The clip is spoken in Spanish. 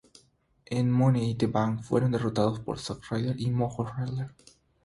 En Money in the Bank fueron derrotados por Zack Ryder y Mojo Rawley.